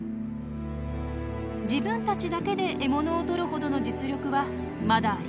自分たちだけで獲物を取るほどの実力はまだありません。